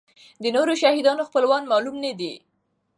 د نورو شهیدانو خپلوان معلوم نه دي.